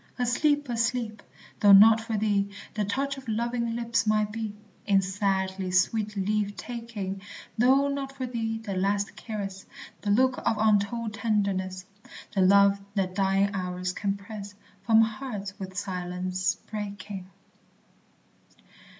Asleep! asleep! though not for thee The touch of loving lips might be, In sadly sweet leave taking: Though not for thee the last caress, The look of untold tenderness, The love that dying hours can press From hearts with silence breaking.